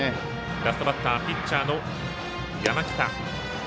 ラストバッターピッチャーの山北。